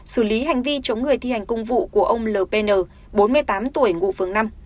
xử lý hành vi chống người thi hành công vụ của ông l p n bốn mươi tám tuổi ngụ phương năm